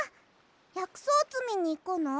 やくそうつみにいくの？